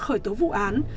khởi tố vụ án